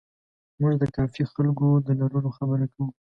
موږ د کافي خلکو د لرلو خبره کوو.